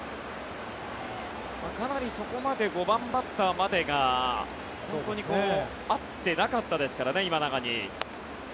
かなりそこまで５番バッターまでが合ってなかったですからね今永に。